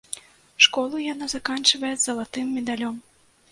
Школу яна заканчвае з залатым медалём.